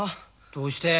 どうして？